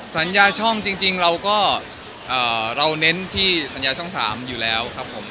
สัญญาช่องจริงเราก็เราเน้นที่สัญญาช่อง๓อยู่แล้วครับผม